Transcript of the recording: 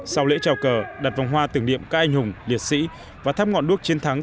sau lễ trào cờ đặt vòng hoa tưởng niệm các anh hùng liệt sĩ và tháp ngọn đuốc chiến thắng